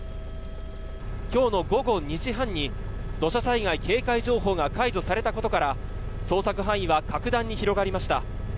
今日の午後２時半に土砂災害警戒情報が解除されたことから捜索範囲は格段に広がりました。